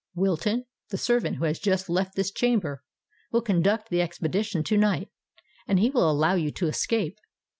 Wilton—the servant who has just left this chamber—will conduct the expedition to night; and he will allow you to escape.